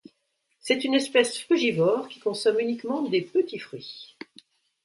C'est une espèce frugivore qui consomme uniquement des petits fruits.